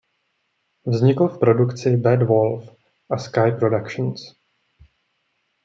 Vznikl v produkci Bad Wolf a Sky Productions.